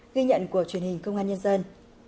ghi nhận của truyền hình công an nhân dân